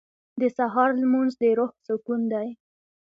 • د سهار لمونځ د روح سکون دی.